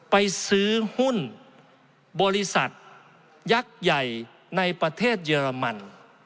ไปซื้อหุ้นบริษัทยักษ์ใหญ่ในประเทศเยอรมัน